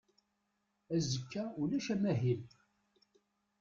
Azekka ulac amahil.